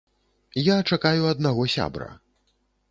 Я чакаю аднаго сябра.